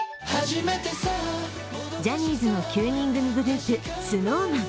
ジャニーズの９人組グループＳｎｏｗＭａｎ。